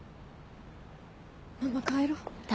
ママ帰ろう。